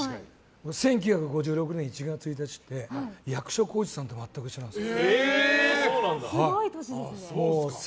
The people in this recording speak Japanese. １９５６年１月１日って役所広司さんと全く一緒なんです。